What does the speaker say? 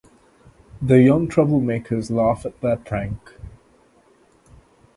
The young troublemakers laugh at their prank.